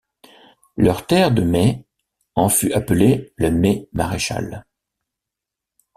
Leur terre de Mez en fut appelée Le Mez Maréchal.